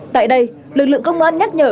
tại đây lực lượng công an nhắc nhở